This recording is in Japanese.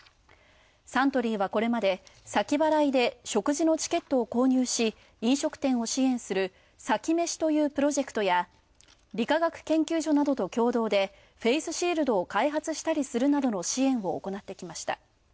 サントリーは、これまで先払いで食事のチケットを購入し飲食店を支援する、さきめしというプロジェクトや理化学研究所などと共同でフェースシールドを開発したりするなどの支援を行ってきました。